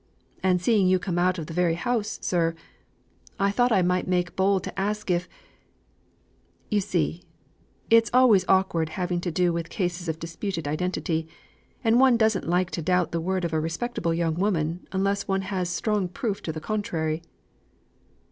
And seeing you come out of the very house, sir, I thought I might make bold to ask if you see, it's always awkward having to do with cases of disputed identity, and one doesn't like to doubt the word of a respectable young woman unless one has strong proof to the contrary."